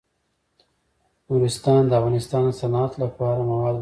نورستان د افغانستان د صنعت لپاره مواد برابروي.